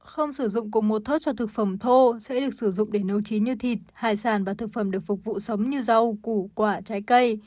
không sử dụng cùng một thớt cho thực phẩm thô sẽ được sử dụng để nấu trí như thịt hải sản và thực phẩm được phục vụ sống như rau củ quả trái cây